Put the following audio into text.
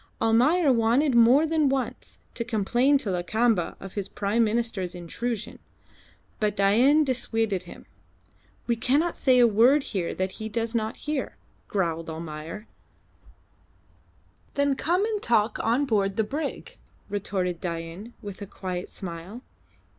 Almayer wanted more than once to complain to Lakamba of his Prime Minister's intrusion, but Dain dissuaded him. "We cannot say a word here that he does not hear," growled Almayer. "Then come and talk on board the brig," retorted Dain, with a quiet smile.